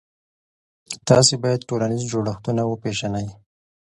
تاسې باید ټولنیز جوړښتونه وپېژنئ.